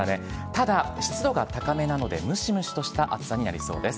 ただ、湿度が高めなので、ムシムシとした暑さになりそうです。